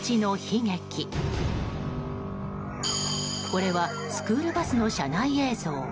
これはスクールバスの車内映像。